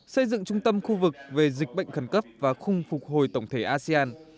xây dựng trung tâm khu vực về dịch bệnh khẩn cấp và khung phục hồi tổng thể asean